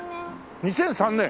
２００３年。